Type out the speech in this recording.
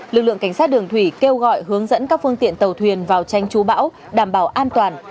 lực lượng cảnh sát đường thủy kêu gọi hướng dẫn các phương tiện tàu thuyền vào tranh trú bão đảm bảo an toàn